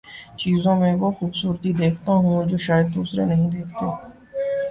چیزوں میں وہ خوبصورتی دیکھتا ہوں جو شائد دوسرے نہیں دیکھتے